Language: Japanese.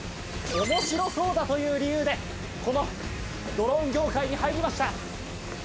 面白そうだという理由でこのドローン業界に入りました。